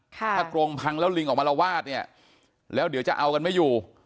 ถ้ากรงพังแล้วลิงออกมาละวาดเนี่ยแล้วเดี๋ยวจะเอากันไม่อยู่